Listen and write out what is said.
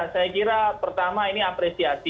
saya kira pertama ini apresiasi